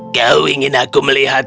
kau ingin aku melihatmu